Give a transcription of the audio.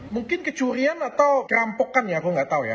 mungkin kecurian atau perampokan ya aku nggak tahu ya